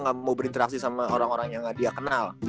nggak mau berinteraksi sama orang orang yang dia kenal